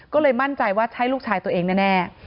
ก็เลยมั่นใจว่าใช่ลูกชายตัวเองแน่